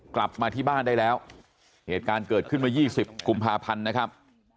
กลับมาที่บ้านได้แล้วเหตุการณ์เกิดขึ้นเมื่อ๒๐กุมภาพันธ์นะครับ